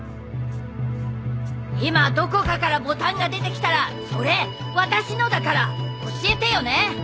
今どこかからボタンが出てきたらそれ私のだから教えてよね！